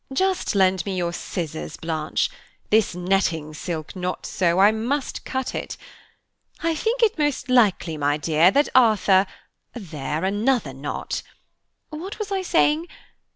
"Just lend me your scissors, Blanche; this netting silk knots so, I must cut it. I think it most likely, my dear, that Arthur–there! another knot–what was I saying?